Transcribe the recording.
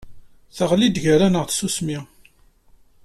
Teɣli-d gar-aneɣ tsusmi.